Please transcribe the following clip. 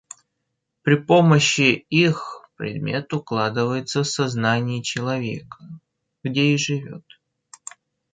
При помощи их предмет укладывается в сознании человека, где и живёт.